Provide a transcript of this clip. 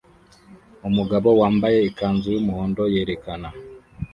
Umugabo wambaye ikanzu yumuhondo yerekana